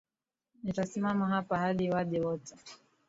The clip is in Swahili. Nitasimama hapa hadi waje wote.